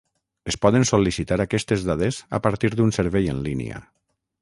Es poden sol·licitar aquestes dades a partir d'un servei en línia.